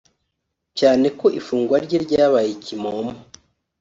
cyane ko ifungwa rye ryabaye kimomo